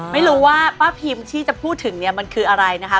ไม่รู้ว่าป้าพิมที่จะพูดถึงเนี่ยมันคืออะไรนะคะ